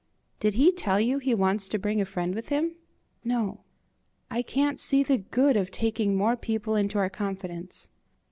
"Did he tell you he wants to bring a friend with him?" "No." "I can't see the good of taking more people into our confidence."